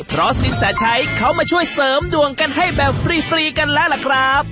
เพราะสินแสชัยเขามาช่วยเสริมดวงกันให้แบบฟรีกันแล้วล่ะครับ